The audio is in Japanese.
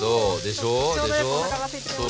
ちょうどよくおなかがすいてきました。